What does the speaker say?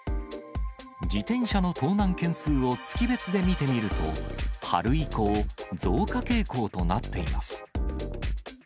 自転車の盗難件数を月別で見てみると、春以降、増加傾向となっています。